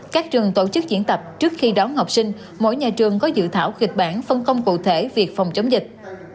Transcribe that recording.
các trường tổ chức diễn tập trước khi đón học sinh mỗi nhà trường có dự thảo kịch bản phân công cụ thể việc phòng chống dịch